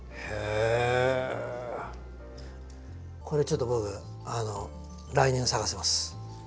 これちょっと僕来年咲かせます。